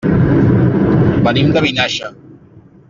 Venim de Vinaixa.